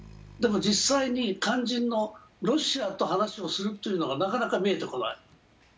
でも実際に肝心のロシアと話をするというのがなかなか見えてこない。